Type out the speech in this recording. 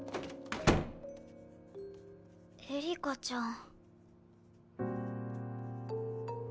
エリカちゃん。